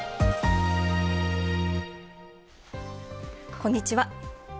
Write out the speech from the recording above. こんにちは。